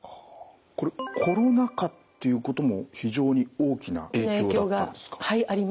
これコロナ禍っていうことも非常に大きな影響があったんですか？